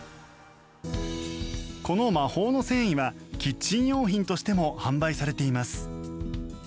この魔法の繊維はキッチン用品としても販売されています。